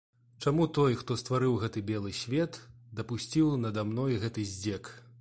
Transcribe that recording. Чаму той, хто стварыў гэты белы свет, дапусціў нада мной гэты здзек?